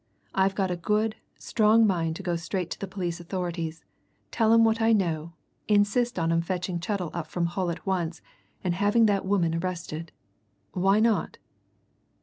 "I've got a good, strong mind to go straight to the police authorities, tell 'em what I know, insist on 'em fetching Chettle up from Hull at once, and having that woman arrested. Why not?"